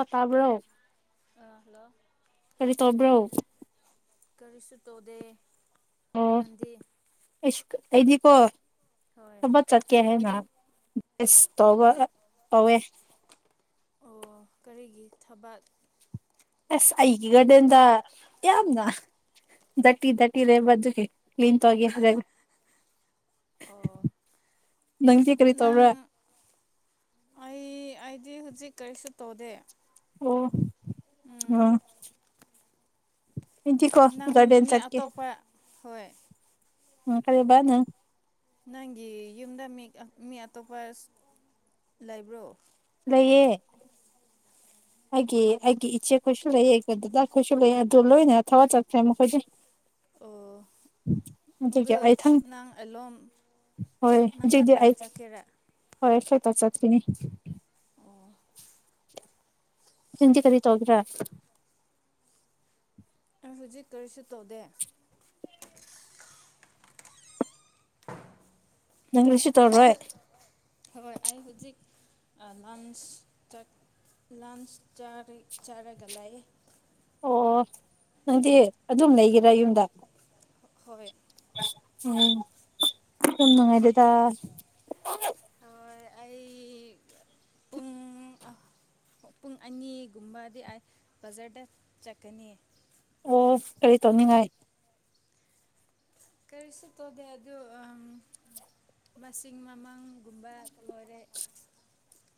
ꯑ ꯇꯥꯕꯔꯣ ꯑ ꯍꯜꯂꯣ ꯀꯔꯤ ꯇꯣꯕ꯭ꯔꯣ ꯀꯔꯤꯁꯨ ꯇꯧꯗ ꯑꯣ ꯑꯩꯗꯤꯀꯣ ꯍꯣꯏ ꯁꯃ ꯆꯠꯀꯦ ꯍꯥꯏꯦꯅ ꯁ ꯇ ꯇꯧꯋꯦ ꯑꯣ ꯀꯔꯤꯒꯤ ꯊꯕꯛ ꯑꯁ ꯑꯩꯒꯤ ꯗꯇꯤ ꯗꯇꯤ ꯔꯦꯕꯗꯨꯈꯤꯦ ꯀ꯭ꯂꯟ ꯇꯒꯦ ꯍꯔꯒ ꯑꯣ ꯅꯪꯗꯤ ꯀꯔꯤ ꯅꯪ ꯇꯧꯔꯦ ꯗꯤ ꯍꯧꯖꯤꯛ ꯀꯔꯤꯁꯨ ꯇꯧꯗꯦ ꯑꯣ ꯎꯝ ꯑꯣ ꯑꯩꯗꯤꯀꯣ ꯅꯪ ꯒꯥꯔꯗꯦꯟ ꯃꯤ ꯑꯇꯣꯞꯄ ꯍꯣꯏ ꯑ ꯀꯔꯤꯕꯅꯪ ꯅꯪꯒꯤ ꯌꯨꯝꯗ ꯃꯤ ꯃꯤ ꯑꯇꯣꯞꯄ ꯂꯩꯕ꯭ꯔꯣ ꯂꯩꯌꯦ ꯑꯩꯒꯤ ꯑꯩꯒꯤ ꯏꯆꯦ ꯈꯣꯏꯁꯨ ꯂꯩ ꯑꯩ ꯗꯗꯥ ꯈꯣꯏꯁꯨ ꯂꯩ ꯑꯗꯨ ꯂꯣꯏꯅꯅ ꯊꯕꯛ ꯆꯠꯈ꯭ꯔꯦ ꯃꯈꯣꯏꯗꯤ [inaudible] ꯎꯗ ꯅꯪ ꯑꯦꯂꯣꯝ ꯅꯪ ꯍꯣꯏꯗꯤ ꯈꯛꯇ ꯆꯠꯀꯦꯔꯥ ꯍꯣꯏ ꯐꯦ ꯇ ꯆꯠ ꯃꯤꯅꯤ ꯑꯣ ꯍꯖꯤ ꯀꯔꯤ ꯇꯧꯜ꯭ꯔꯦ ꯑꯩ ꯍꯧꯖꯤꯛ ꯀꯔꯤꯁꯨ ꯇꯧꯗꯦ ꯅꯪꯁꯤ ꯇꯧꯔꯔꯣꯏ ꯃꯟꯁꯇꯦꯛ ꯂꯥꯟꯁ ꯆꯥ ꯆꯔꯒꯂꯥꯏ ꯑꯣ ꯅꯪꯗꯤ ꯑꯗꯨꯝ ꯂꯩꯒꯦꯔꯥ ꯌꯨꯝꯗ ꯍꯣꯏ ꯎꯝ ꯊꯨꯝ ꯅꯨꯡꯉꯥꯏꯗꯦꯗ ꯍꯣꯏ ꯑꯩ [inaudible] ꯄꯨꯡ ꯄꯨꯡ ꯑꯅꯤꯒꯨꯝꯕꯗꯤ ꯑꯩ ꯕꯖꯥꯔꯗ ꯆꯠꯀꯅꯤ ꯑꯣ ꯀꯔꯤ ꯇꯧꯅꯤꯡꯉꯥꯏ ꯀꯩꯁꯤ ꯇꯗ ꯑꯗꯨ ꯑ ꯃꯁꯤꯡ ꯃꯃꯥꯡꯒꯨꯝꯕ ꯂꯣꯏꯔꯦ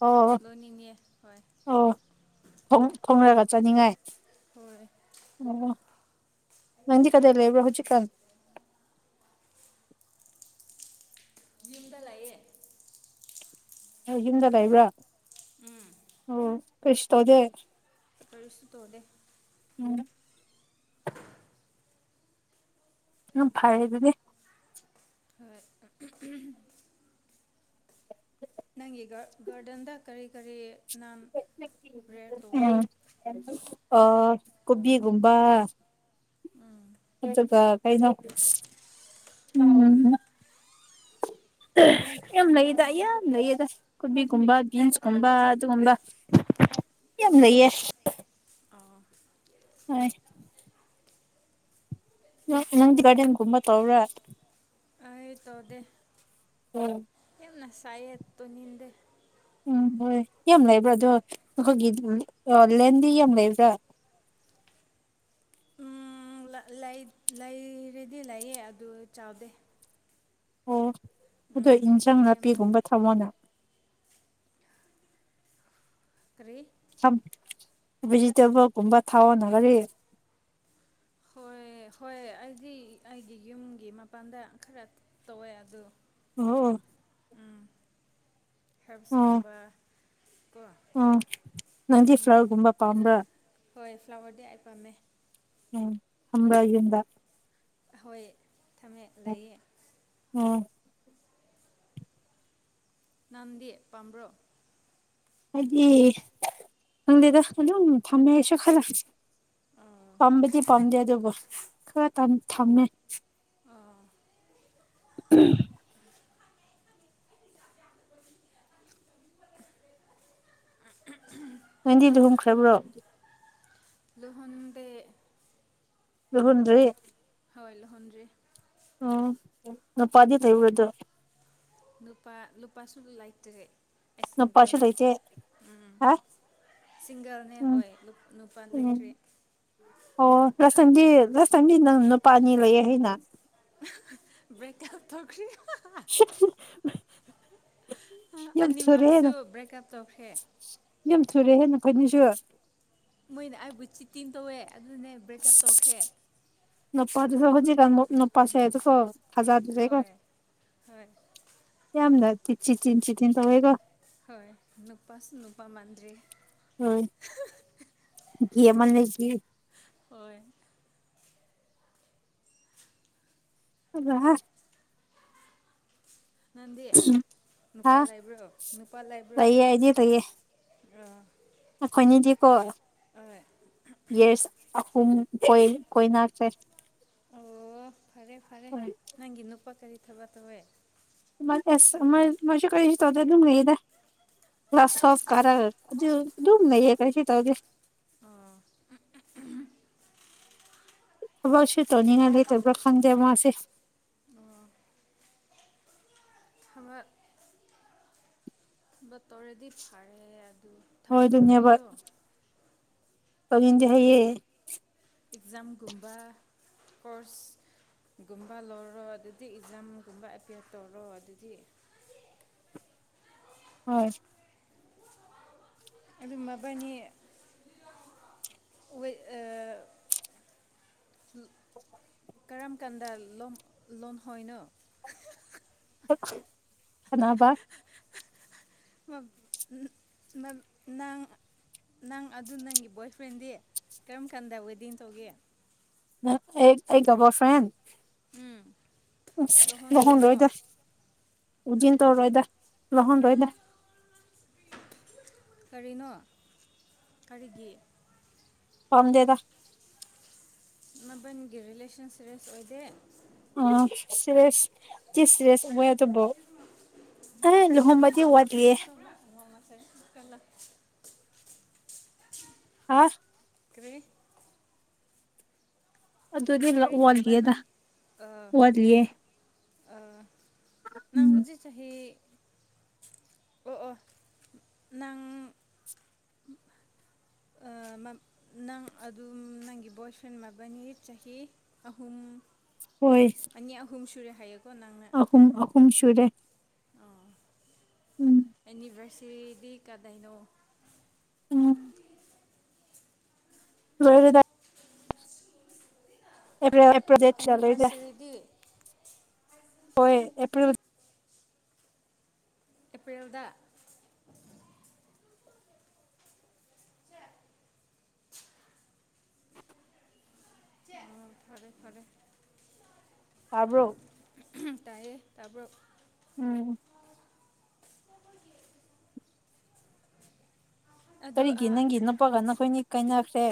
ꯑꯣ ꯂꯣꯏꯅꯤꯡꯉꯦ ꯍꯣꯏ ꯑꯣ ꯈꯣꯡꯂꯒ ꯆꯠꯅꯤꯡꯉꯥꯏ ꯍꯣꯏ ꯑꯣ ꯅꯟ ꯀꯗ ꯂꯩ ꯏꯕ꯭ꯔꯣ ꯍꯧꯖꯤ ꯀꯥꯟ ꯌꯨꯝꯕ ꯂꯌꯦ ꯌꯨꯝꯗ ꯂꯩꯕ꯭ꯔꯥ ꯎꯝ ꯑꯣ ꯀꯩꯁꯨ ꯇꯧꯗꯦ ꯀꯔꯤꯁꯨ ꯇꯧꯗꯦ ꯎꯝ ꯎ ꯐꯔꯦ ꯑꯗꯨꯗꯤ ꯍꯣꯏ ꯅꯪꯒꯤ ꯒꯥꯔꯗꯦꯟꯗ ꯀꯔꯤ ꯀꯔꯤ ꯅꯥꯟ ꯦꯌꯔ ꯇꯧꯋꯦ ꯎꯝ ꯑ ꯀꯣꯕꯤꯒꯨꯝꯕ ꯎꯝ ꯑꯗꯨꯒ ꯀꯩꯅꯣ ꯎꯝ ꯌꯥꯝ ꯂꯩꯌꯦꯗ ꯌꯥꯝ ꯂꯩꯌꯦꯗ ꯀꯣꯕꯤꯒꯨꯝꯕ ꯕꯤꯟꯁꯀꯨꯝꯕ ꯑꯗꯨꯒꯨꯝꯕ ꯌꯥꯝ ꯂꯩ ꯑꯥ ꯌꯦ ꯑꯥ ꯍꯣꯏ ꯅꯪꯗꯤꯒꯥꯗꯟꯒꯨꯝꯝꯕ ꯇꯧ꯭ꯔꯥ ꯑꯩ ꯇ ꯑꯣꯗꯦ ꯍꯝ ꯅ ꯁꯥꯏꯠꯇꯨ ꯅꯤꯗꯦ ꯎꯝ ꯍꯣꯏ ꯌꯥꯝ ꯂꯩꯕ꯭ꯔꯥ ꯑꯗꯣ ꯑꯩꯈꯣꯏꯒꯤ ꯂꯦꯟꯗꯤ ꯌꯥꯝ ꯂꯩꯕ꯭ꯔꯥ ꯂꯩꯔꯦꯗꯤ ꯂꯩꯌꯦ ꯑꯗꯨ ꯆꯥꯎꯗꯦ ꯑꯣ ꯑꯗꯣ ꯎꯝ ꯏꯟꯁꯥꯡ ꯌꯥꯝꯅ ꯅꯥꯄꯤꯒꯨꯝꯕ ꯊꯝꯃꯣꯅ ꯇꯔꯤ ꯊ ꯦꯖꯤꯇꯦꯕꯜꯒꯨꯝꯕ ꯊꯋꯥꯣ ꯅꯒꯔꯤ ꯍꯣꯏ ꯍꯣꯏ ꯑꯩꯗꯤ ꯑꯩꯒꯤ ꯌꯨꯝꯒꯤ ꯃꯄꯥꯟꯗ ꯈꯔ ꯇꯧꯋꯦ ꯑꯣ ꯑꯣ ꯍꯦꯜꯞꯁꯒꯨꯝꯕ ꯎ ꯅꯟꯗꯤ ꯐ꯭ꯂꯔꯒꯨꯝꯕ ꯄꯥꯝꯕ꯭ꯔꯥ ꯍꯣꯏ ꯐ꯭ꯂꯥꯋꯔꯗꯤ ꯑꯩ ꯄꯥꯝꯃꯦ ꯎꯝ ꯊꯝꯕꯥꯏꯗ ꯍꯣꯏ ꯊꯝꯃꯦ ꯂꯩꯌꯦ ꯑꯣ ꯅꯗꯤ ꯄꯥꯝꯕ꯭ꯔꯣ ꯍꯥꯏꯗꯤ ꯈꯪꯗꯦꯗ ꯈꯣ ꯊꯝꯃꯦꯁ ꯈꯂ ꯑꯣ ꯄꯥꯝꯕꯗꯤ ꯄꯥꯝꯗꯦ ꯑꯗꯨꯕꯨ ꯈꯔ ꯊꯝꯃꯦ ꯑꯣ ꯎꯝ ꯅꯦꯟꯗꯤ ꯂꯨꯍꯣꯡꯈ꯭ꯔꯕ꯭ꯔꯣ ꯂꯨꯍꯟꯗꯦ ꯑꯍꯟꯔꯤ ꯍꯣꯏ ꯂꯨꯍꯟꯔꯤ ꯎ ꯅꯨꯄꯥꯗꯤ ꯂꯩ ꯎꯔꯗ ꯅꯨꯄꯥ ꯂꯨꯄꯥꯁꯨ ꯂꯩꯥꯏꯇꯔꯦ ꯎꯄꯁ ꯊꯣꯏꯆꯦ ꯍꯥ ꯁꯤꯡꯒꯔꯅꯦ ꯎꯝ ꯍꯣꯏ ꯅꯨꯄꯥ ꯎꯝ ꯂꯥꯏꯇ꯭ꯔꯔꯤ ꯑꯣ ꯂꯁꯟꯗꯤ ꯂꯁꯟꯗꯤ ꯅꯅꯄꯥꯥꯅꯤ ꯂꯩ ꯍꯅ ꯊꯛꯔꯤ [inaudible] ꯌꯥꯝ ꯊꯨꯔꯦꯍꯦ ꯑꯅꯤꯃꯛꯁꯨ ꯕ꯭ꯔꯦꯛꯞ ꯇꯧꯈ꯭ꯔꯦ ꯌꯥꯝ ꯊꯨꯔꯦ ꯍꯦꯟꯅ ꯑꯩꯈꯣꯏꯅꯤꯁꯨ ꯃꯣꯏꯅ ꯑꯩꯕꯨ ꯆꯤꯇꯤꯡ ꯇꯧꯋꯦ ꯑꯗꯨꯅꯦ ꯑꯩ ꯕ꯭ꯔꯦꯛꯑꯞ ꯇꯧꯈ꯭ꯔꯦ ꯅꯄꯥꯖꯤ ꯁ ꯍꯧꯖꯤ ꯀꯃꯕꯨ ꯅ ꯄꯁꯦ ꯑꯗꯨ ꯀꯣ ꯊꯖꯥꯗꯨꯁꯦꯀꯣ ꯍꯣꯏ ꯍꯣꯏ ꯌꯥꯝꯗ ꯆꯤꯁꯤ ꯆꯤꯟꯁꯤ ꯇꯤꯟ ꯇꯧꯦꯒ ꯍꯣꯏ ꯅꯨꯄꯥ ꯅꯨꯄꯥ ꯃꯥꯟꯗ꯭ꯔꯤ ꯍ ꯃꯥꯟ ꯂꯩ ꯍꯣꯏ ꯑ ꯅꯪꯗꯤ ꯍꯥ ꯅꯨꯄꯥ ꯂꯥꯏꯕ꯭ꯔꯣ ꯅꯨꯄꯥ ꯂꯥꯏꯕ꯭ꯔꯣ ꯂꯩꯌꯦ ꯑꯩꯗꯤ ꯂꯩꯌꯦ ꯑ ꯑꯩꯈꯣꯏꯅꯤꯗꯤꯀꯣ ꯌꯦꯁ ꯍꯨꯝꯣꯏ ꯀꯣꯏꯅꯁꯦ ꯑꯣ ꯐꯔꯦ ꯐꯔꯦ ꯅꯪꯒꯤ ꯅꯨꯄꯥ ꯀꯔꯤ ꯊꯕꯛ ꯇꯧꯋꯦ ꯃ ꯃ ꯃ ꯀꯔꯤꯁꯤ ꯆꯧꯊ ꯑꯗꯨꯅ ꯃꯗ ꯀꯂ꯭ꯥꯁ ꯁꯣꯐ ꯀꯔꯥ ꯑꯗꯨ ꯗꯨꯝ ꯂꯩꯌꯦ ꯀꯩꯁꯨ ꯇꯧꯗꯦ꯫ ꯎꯝ ꯎꯝ ꯎꯝ ꯎꯍꯨꯝ꯫ ꯋꯔꯁꯤꯞ ꯇꯧꯅꯤꯡꯉꯥꯢ ꯂꯩꯇꯕ ꯈꯪꯗꯦ ꯃꯥꯁꯤ꯫ ꯊꯕꯛ꯫ ꯗꯣ ꯇꯧꯔꯦꯗꯤ ꯐꯔꯦ ꯑꯗꯨ ꯍꯣꯏ ꯊꯕꯛ ꯇꯧꯔꯣ ꯍꯥꯏꯌꯣ꯫ ꯑꯧꯅꯤꯡꯗꯦ ꯍꯥꯏꯌꯦ꯫ ꯑꯦꯛꯖꯥꯝꯒꯨꯝꯕ ꯀꯣꯔꯁ ꯒꯨꯝꯕ ꯂꯧꯔꯣ ꯑꯗꯨꯗꯤ ꯏꯛꯖꯥꯝꯒꯨꯝꯕ ꯑꯦꯄ꯭ꯤꯌꯔ ꯇꯧꯔꯣ ꯑꯗꯨꯗꯤ꯫ ꯍꯣꯏ꯫ ꯑꯗꯨ ꯃꯕꯥꯅꯤ ꯋꯤꯠ ꯑꯥ [inaudible] ꯀꯔꯝ ꯀꯥꯟꯗ ꯂꯣꯟ ꯂꯣꯟꯍꯣꯏꯅꯣ ꯍꯥ ꯍꯥ ꯍꯥ꯫ ꯑꯛꯊꯤ ꯑꯅꯥꯕ ꯑꯝ ꯎꯝꯍꯨꯝ [inaudible] ꯅꯪ ꯅꯪ ꯑꯗꯨ ꯅꯪꯒꯤ ꯕꯣꯏ ꯐ꯭ꯔꯦꯟꯗꯤ ꯀꯔꯝ ꯀꯥꯟꯗ ꯋꯦꯗꯤꯡ ꯇꯧꯒꯦ꯫ ꯅꯪ ꯑꯩ ꯑꯩ ꯇꯧꯕ ꯐꯦꯟ꯫ ꯎꯝ꯫ [inaudible] ꯂꯨꯍꯣꯡꯗꯣꯏꯅꯣ ꯎꯖꯤꯟ ꯇꯣꯔꯣꯏꯗ ꯂꯣꯍꯟ ꯔꯣꯏꯗ꯫ ꯀꯔꯤꯅꯣ ꯀꯔꯤꯒꯤ ꯐꯥꯝꯗꯦꯗ꯫ ꯃꯕꯟꯅꯤꯒꯤ ꯔꯤꯂꯦꯁꯟ ꯁꯤꯔꯦꯁ ꯑꯣꯏꯗꯦ꯫ ꯑ ꯁ ꯁꯤꯔꯦꯁ ꯆꯤ ꯁꯤꯔꯦꯁ ꯑꯣꯢ ꯇꯕꯣ ꯑꯩ ꯂꯨꯍꯣꯡꯕꯗꯤ ꯋꯥꯗꯤꯌꯦ꯫ ꯑꯥ꯫ ꯇꯦ꯫ ꯑꯗꯨꯗꯤ ꯂ ꯍꯥꯏꯕ ꯋꯥꯂꯤꯌꯦꯗ ꯅꯪ ꯋꯥꯜꯂꯤꯌꯦ꯫ ꯅꯪ ꯍꯨꯖꯤꯛ ꯆꯍꯤ ꯑꯣ ꯑꯣ ꯅꯪ [inaudible] ꯑ ꯃꯝ ꯅꯪ ꯑꯗꯨꯝ ꯅꯪꯒꯤ ꯕꯣꯏ ꯐ꯭ꯔꯦꯟ ꯃꯕꯥꯅꯤ ꯆꯍꯤ ꯑꯍꯨꯝ [inaudible] ꯑꯅꯤ ꯑꯍꯨꯝ ꯁꯨꯔꯦ ꯍꯥꯏꯌꯦꯀꯣ ꯅ ꯑꯍꯨꯝ ꯑꯍꯨꯝ ꯁꯨꯔꯦ꯫ ꯑꯥ ꯎꯝ ꯑꯦꯅꯤꯚꯔꯁꯦꯔꯤꯗꯤ ꯀꯗꯩꯅꯣ꯫ ꯍꯥ ꯂꯣꯢꯔꯦꯗ꯫ ꯑꯦꯄ꯭ꯔꯤꯜ ꯑꯦꯄ꯭ꯔꯜ ꯗꯦꯠ ꯁꯂꯩꯗ ꯑꯦꯅꯤꯚꯔꯁꯔꯤꯗꯤ ꯍꯣꯏ ꯑꯦꯄ꯭ꯔꯜ꯫ ꯑꯦꯄ꯭ꯔꯤꯜꯗ꯫ [inaudible] ꯑꯥ ꯐꯔꯦ ꯐꯔꯦ ꯇꯥꯕ꯭ꯔꯣ ꯎꯍꯨꯝ ꯇꯌꯦ꯫ ꯇꯥꯕ꯭ꯔꯣ꯫ ꯎꯝ꯫ ꯁꯣꯏꯒꯤ꯫ ꯀꯔꯤꯒꯤ ꯅꯪꯒꯤ ꯅꯨꯄꯥꯒ ꯅꯈꯣꯏꯅꯤ ꯀꯥꯏꯅꯈ꯭ꯔꯦ꯫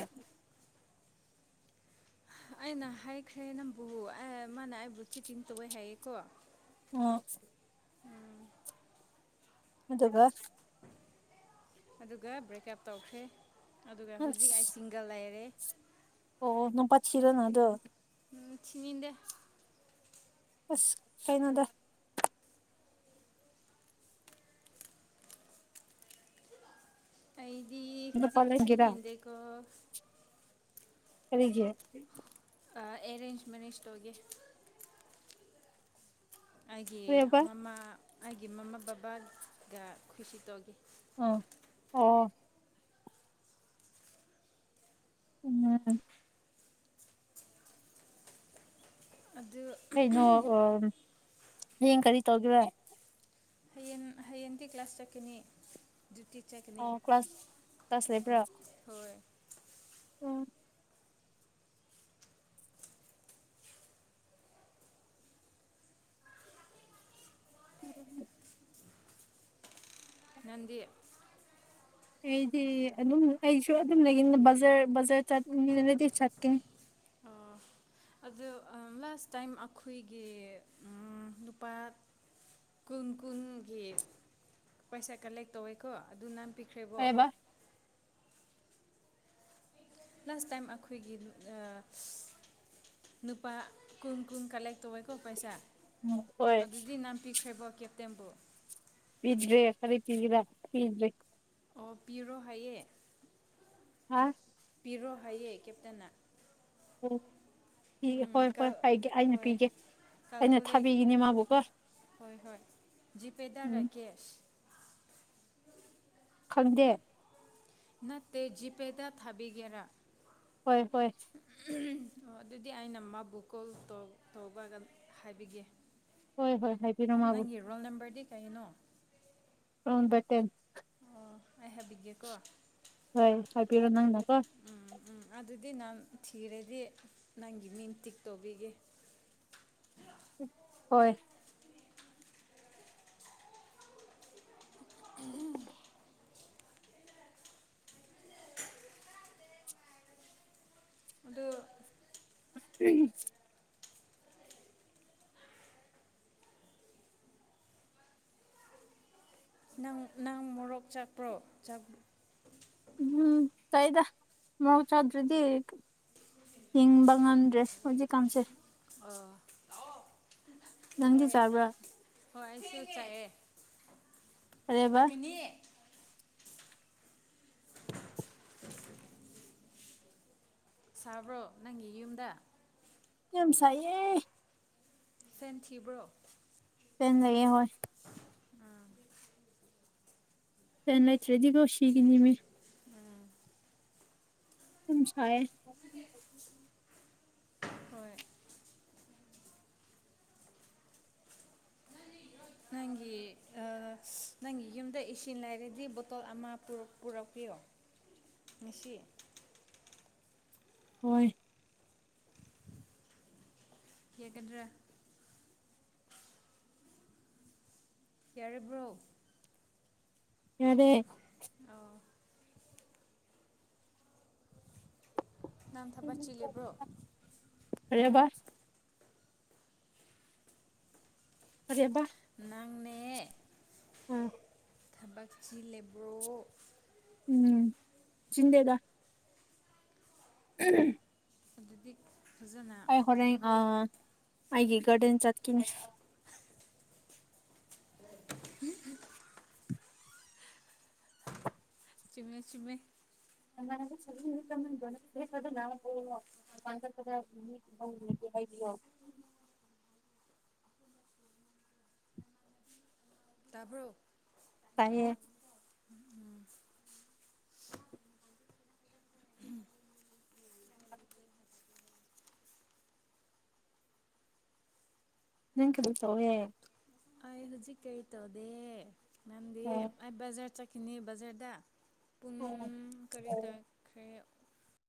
ꯑꯩꯅ ꯍꯥꯏꯈ꯭ꯔꯦ ꯅꯪꯕꯨ ꯑꯦ ꯃꯥꯅ ꯑꯩꯕꯨ ꯆꯤꯇꯤꯡ ꯇꯧꯋꯦ ꯍꯥꯏꯌꯦꯀꯣ ꯑꯣ ꯁꯁ ꯑꯗꯨꯒ ꯑꯗꯨꯒ ꯕ꯭ꯔꯦꯛꯑꯞ ꯇꯧꯈ꯭ꯔꯦ ꯑꯗꯨꯒ ꯍꯨꯖꯤꯛ ꯑꯩ ꯑꯁ ꯁꯤꯡꯒꯜ ꯂꯩꯔꯦ ꯑꯣ ꯅꯣꯡꯄ ꯊꯤꯔ ꯅ ꯑꯗꯣ꯫ ꯎꯝ ꯊꯤꯅꯤꯟꯗꯦ꯫ ꯑꯁ ꯐꯥꯏꯩꯅꯗ ꯑꯩꯗꯤ ꯅꯨꯄꯥ ꯍꯧꯖꯤꯛ ꯂꯩꯒꯦꯔꯥ ꯁꯤꯤꯅꯤꯗꯀꯣ ꯀꯔꯤꯒꯦ ꯑꯦ ꯑꯦꯔꯦꯟꯖꯃꯅꯦꯖ ꯇꯧꯒꯦ ꯑꯩꯒꯤ ꯀꯔꯤꯕ ꯃꯃꯥ ꯑꯩꯒꯤ ꯃꯃꯥ ꯕꯕꯥꯒ ꯈꯁꯤ ꯇꯧꯈꯤ ꯑꯝ ꯑꯣ ꯎꯝ ꯑꯗꯨ ꯀꯩꯅꯣ ꯍꯌꯦꯡ ꯀꯔꯤ ꯇꯧꯒꯦ ꯍꯌꯦꯡ ꯍꯌꯦꯡꯗꯤ ꯀ꯭ꯂꯥꯁ ꯆꯠꯀꯅꯤ ꯗ꯭ꯌꯨꯇꯤ ꯆꯠꯀꯅꯤ ꯑ ꯀ꯭ꯂꯥꯁ ꯀ꯭ꯂꯥꯁ ꯂꯩꯕ꯭ꯔꯥ ꯍꯣꯏ ꯎꯝ ꯎꯝ ꯅꯗꯤ ꯑꯩꯗꯤ ꯑꯗꯨꯝ ꯑꯩꯁꯨ ꯑꯗꯨꯝ ꯂꯩꯅꯤ ꯕꯖꯔ ꯕꯖꯥꯔ ꯆꯠꯅꯤꯡꯅꯗꯤ ꯆꯠꯀꯅꯤ ꯑ ꯑꯣ ꯂꯥꯁ ꯇꯥꯏꯝ ꯑꯩꯈꯣꯏꯒꯤ ꯂꯨꯄꯥ ꯀꯨꯟ ꯀꯨꯟꯒꯤ ꯄꯩꯁꯥ ꯀꯂꯦꯛ ꯇꯧꯋꯦꯀꯣ ꯑꯗꯨ ꯅꯍꯥꯟ ꯄꯈ꯭ꯔꯦꯕꯣ ꯀꯩꯕ ꯂꯥꯁ ꯇꯥꯏꯝ ꯑꯩꯈꯣꯏꯒꯤ ꯅꯨꯄꯥ ꯀꯨꯝ ꯀꯨꯝ ꯀꯂꯦꯦꯛ ꯇꯧꯧꯕꯦꯀꯣ ꯄꯩꯁꯥ ꯎꯝ ꯍꯣꯏ ꯑꯗꯨꯗꯤ ꯅꯥꯟꯄꯤꯈ꯭ꯔꯦꯕꯣ ꯀꯦꯞꯇꯦꯝꯕꯨ ꯄꯗ꯭ꯔꯦ ꯀꯔꯤꯄꯤꯗꯔꯥ ꯄꯗ꯭ꯔꯦ ꯑꯣ ꯄꯤꯌꯔꯣ ꯍꯥꯏꯌꯦ ꯍꯥ ꯄꯤꯔꯣ ꯍꯥꯏꯌꯦ ꯀꯦꯞꯇꯟꯅ ꯍꯣꯏ ꯍꯣꯏ ꯍꯥꯏꯒꯦ ꯑꯩꯅ ꯄꯤꯒꯦ ꯀ ꯑꯩꯅ ꯊꯥꯕꯤꯒꯅꯤ ꯃꯥꯕꯨꯀꯣ ꯍꯣꯏ ꯍꯣꯏ ꯖꯤꯄꯦꯗꯔ ꯎꯝ ꯀꯦꯁ ꯈꯗꯦ ꯅꯠꯇꯦ ꯖꯤꯄꯦꯗ ꯊꯥꯕꯤꯒꯦꯔꯥ ꯍꯣꯏ ꯍꯣꯏ ꯑꯣ ꯑꯗꯨꯗꯤ ꯑꯩꯅ ꯃꯥꯕꯨ ꯀꯣꯜꯧ ꯇꯧꯕ ꯍꯥꯏꯕꯤꯒꯦ ꯍꯣꯏ ꯍꯣꯏ ꯍꯥꯏꯕꯤꯔꯣ ꯃꯥꯕꯨ ꯇꯩꯅꯣ ꯎ ꯠꯇꯦ ꯑꯣ ꯑꯩꯥꯏ ꯍꯥꯏꯕꯤꯒꯦꯀꯣ ꯍꯣꯏ ꯍꯥꯏꯕꯤꯔꯣ ꯅꯪꯅꯀꯣ ꯎꯝ ꯎꯝ ꯑꯗꯨꯗꯤ ꯅꯪ ꯊꯤꯔꯗꯤ ꯅꯪꯒꯤ ꯃꯤꯡ ꯇꯤꯛ ꯇꯧꯕꯤꯒꯦ ꯍꯣꯏ ꯎꯝ ꯑ ꯎ ꯅꯪ ꯅꯪ ꯃꯣꯔꯣꯛ ꯆꯥꯛꯄ꯭ꯔꯣ ꯆ ꯎꯝ ꯆꯗ ꯃ ꯆ ꯑꯗꯨꯗꯤ ꯍꯤꯡꯕ ꯉꯝꯗ꯭ꯔꯦ ꯍꯧꯖꯤꯛꯀꯥꯟꯁꯦ ꯑꯥ ꯅꯪꯗꯤ ꯆꯥꯕ꯭ꯔꯥ ꯍꯣꯏꯁꯨ ꯆꯥꯏꯌꯦ ꯀꯔꯦꯕ ꯂꯛꯀꯅꯤ ꯁꯥꯕ꯭ꯔꯣ ꯅꯪꯒꯤ ꯌꯨꯝꯗ ꯌꯥꯝꯦꯝꯁꯥꯏꯦ ꯐꯦꯟꯤꯕ꯭ꯔꯣ ꯄ ꯂꯩꯌꯦ ꯍꯣꯏ ꯆꯦꯟꯥꯏꯇꯔꯦꯗꯤꯒꯣꯁꯤꯤꯒꯅꯤꯃꯤ ꯎꯝꯁꯑ ꯍꯣꯏ ꯅꯪꯒꯤ ꯅꯪꯒꯤ ꯌꯨꯝꯗ ꯏꯁꯤꯡ ꯂꯩꯥꯏꯔꯗꯤ ꯕꯣꯇꯣꯜ ꯑꯃꯔꯛꯄꯤ [inaudible] ꯃꯁꯤꯁꯤ ꯍꯣꯏ ꯀꯦꯀꯗ꯭ꯔꯦ ꯌꯥꯔꯔꯕ꯭ꯔꯣ ꯑꯗꯦ ꯑ ꯅꯪ ꯊꯕꯛ ꯆꯤꯜꯂꯤꯕ꯭ꯔꯣ ꯍꯔꯕꯁ ꯑꯗꯕ ꯆꯪꯃꯦ ꯎꯝ ꯊꯕꯛꯁꯤꯤ ꯂꯦꯕ꯭ꯔꯣ ꯎꯝ ꯆꯤꯗꯦꯗ ꯎꯝ ꯑꯗꯨꯗꯤ ꯐꯖꯅ ꯑꯩ ꯍꯣꯔꯦꯟ ꯑ ꯑꯩꯒꯤ ꯒꯔꯗꯦꯟ ꯆꯠꯀꯤꯅꯤ ꯆꯃꯦ ꯆꯨꯝꯃꯦ [unintelligible] ꯈꯔ ꯃꯤꯦ ꯍꯥꯏꯕꯤꯌꯣ [inaudible] ꯇꯥꯕ꯭ꯔꯣ ꯇꯥꯏꯌꯦ ꯅꯪ ꯀꯕꯨ ꯇꯣꯍꯦ ꯑꯩ ꯍꯧꯖꯤꯛ ꯀꯩ ꯇꯧꯗꯦ ꯅꯪꯗꯤ ꯑꯩ ꯕꯖꯥꯔ ꯆꯠꯀꯤꯅꯤ ꯕꯖꯥꯔꯗ ꯄꯨꯡ ꯀꯔꯤ ꯇꯥꯈ꯭ꯔꯦ